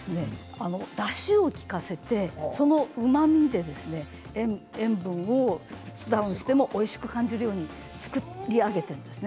だしを利かせてそのうまみで塩分をダウンしてもおいしく感じるように作ってあります。